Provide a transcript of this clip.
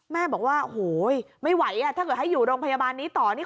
แม่บอกว่าโอ้โหไม่ไหวถ้าเกิดให้อยู่โรงพยาบาลนี้ต่อนี่